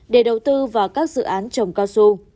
để đầu tư vào các dự án trồng cao su